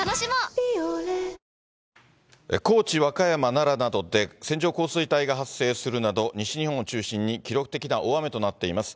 奈良などで線状降水帯が発生するなど、西日本を中心に記録的な大雨となっています。